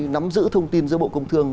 nắm giữ thông tin giữa bộ công thương